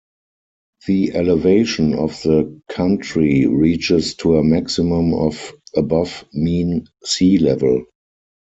The elevation of the country reaches to a maximum of above mean sea level.